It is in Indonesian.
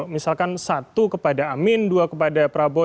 misalkan satu kepada amin dua kepada prabowo